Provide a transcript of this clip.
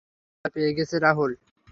ভয় পেয়ে গেছো রাহুল?